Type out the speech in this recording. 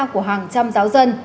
của hàng trăm giáo dân